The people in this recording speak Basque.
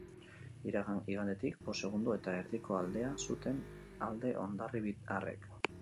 Iragan igandetik, bost segundo eta erdiko aldea zuten alde hondarribiarrek.